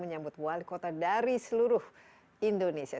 menyambut wali kota dari seluruh indonesia